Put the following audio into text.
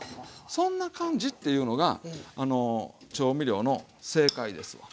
そんな感じっていうのが調味料の正解ですわ。